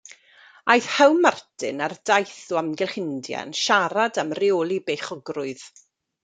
Aeth How-Martyn ar daith o amgylch India yn siarad am reoli beichiogrwydd.